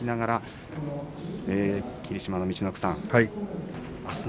霧島の陸奥さん